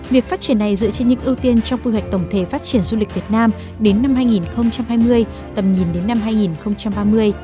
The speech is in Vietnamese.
việc phát triển này dựa trên những ưu tiên trong quy hoạch tổng thể phát triển du lịch việt nam đến năm hai nghìn hai mươi tầm nhìn đến năm hai nghìn ba mươi